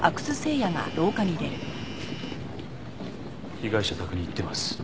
被害者宅に行ってます。